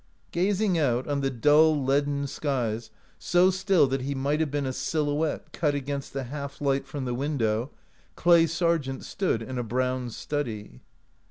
Gazing out on the dull, leaden skies, so still that he might have been a silhouette cut against the half light from the window, Clay Sargent stood in a brown study.